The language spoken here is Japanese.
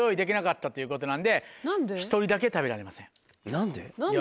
何で？